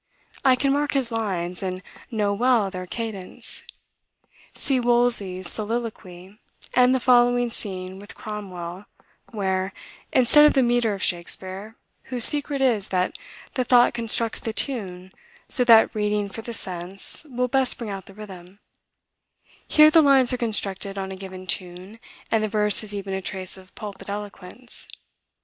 I can mark his lines, and know well their cadence. See Wolsey's soliloquy, and the following scene with Cromwell, where, instead of the metre of Shakspeare, whose secret is, that the thought constructs the tune, so that reading for the sense will best bring out the rhythm, here the lines are constructed on a given tune, and the verse has even a trace of pulpit eloquence.